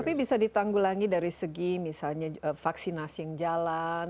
tapi bisa ditanggulangi dari segi misalnya vaksinasi yang jalan